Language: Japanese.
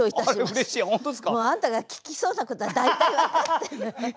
もうあんたが聞きそうなことは大体分かってるのよ。